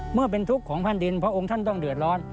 เมื่อเป็นทุกข์ของแผ่นดินพระองค์ท่านต้องเดือดร้อน